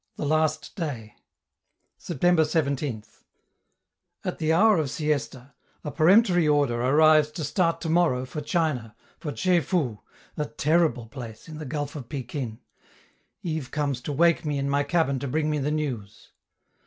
THE LAST DAY September 17th At the hour of siesta, a peremptory order arrives to start tomorrow for China, for Tche fou (a terrible place, in the gulf of Pekin). Yves comes to wake me in my cabin to bring me the news.